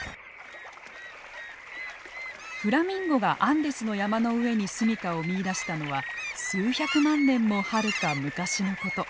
フラミンゴがアンデスの山の上に住みかを見いだしたのは数百万年もはるか昔のこと。